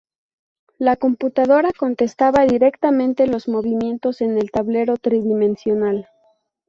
La computadora contestaba directamente los movimientos en el tablero tridimensional.